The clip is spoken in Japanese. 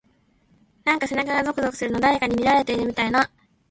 なんか背中がゾクゾクするの。誰かに見られてるみたいな…。